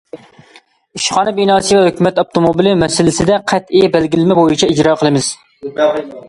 ئىشخانا بىناسى ۋە ھۆكۈمەت ئاپتوموبىلى مەسىلىسىدە قەتئىي بەلگىلىمە بويىچە ئىجرا قىلىمىز.